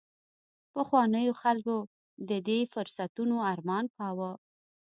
پخوانیو خلکو د دې فرصتونو ارمان کاوه